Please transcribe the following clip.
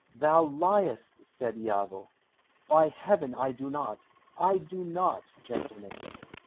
"Thou liest!" said Iago. "By heaven, I do not I do not, gentlemen!"